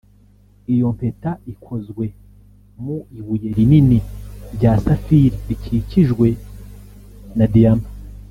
Iyo mpeta ikozwe mu ibuye rinini rya saphir rikikijwe na diyama